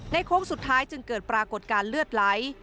โค้งสุดท้ายจึงเกิดปรากฏการณ์เลือดไหล